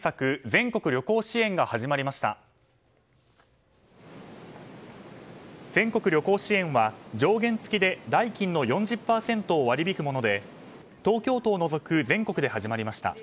全国旅行支援は上限付きで代金の４０％を割り引くもので東京都を除く全国で始まりました。